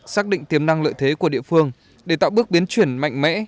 xác định tiềm năng lợi thế của địa phương để tạo bước biến chuyển mạnh mẽ